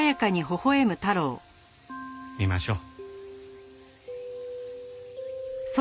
見ましょう。